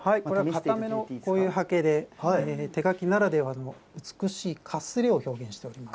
これは硬めのこういうはけで、手描きならではの美しいかすれを表現しております。